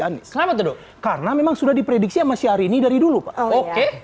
anies selamat duduk karena memang sudah diprediksi masih hari ini dari dulu pak oke